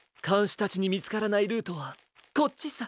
しゅたちにみつからないルートはこっちさ！